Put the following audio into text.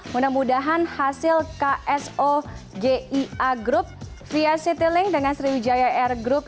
mudah mudahan hasil ksogia group via citylink dengan sriwijaya air group